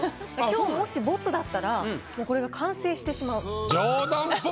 今日もしボツだったらもうこれが完成してしまう。